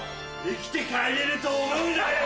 生きて帰れると思うなよ！